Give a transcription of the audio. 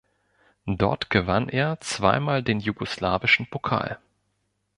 Dort gewann er zweimal den jugoslawischen Pokal.